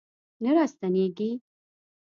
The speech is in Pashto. نه راستنیږي